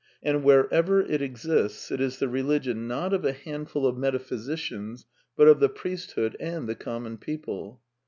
And wherever it exists it is the religion, not of a handful of metaphysicians but of the priesthood and the common people.